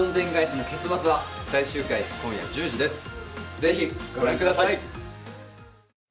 是非ご覧ください。